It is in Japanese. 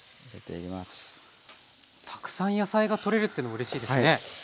たくさん野菜が取れるっていうのもうれしいですね。